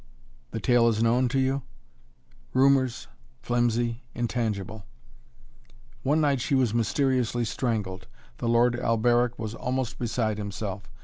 "The tale is known to you?" "Rumors flimsy intangible " "One night she was mysteriously strangled. The Lord Alberic was almost beside himself.